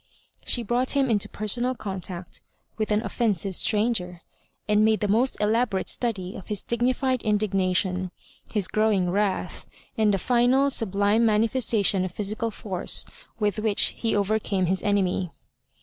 She brought him into personal contact with an offensive stranger, and made the most elaborate study of his dignified indignation, his g^wing wrath, and the final sublime manifesta tion of physical force with which he overcame his enemy.